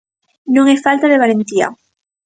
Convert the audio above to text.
Non é falta de valentía.